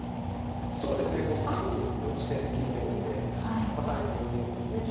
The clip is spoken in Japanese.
そうですね３一の地点に利いてるんで３一４二ですね